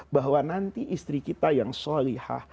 bahwa nanti istri kita yang sholihah